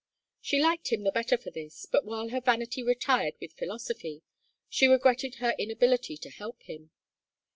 She liked him the better for this, but while her vanity retired with philosophy, she regretted her inability to help him.